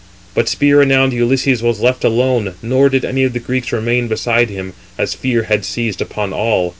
But spear renowned Ulysses was left alone, nor did any of the Greeks remain beside him, as fear had seized upon all.